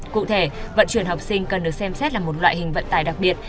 cụ thể vận chuyển học sinh cần được xem xét là một loại hình vận tải đặc biệt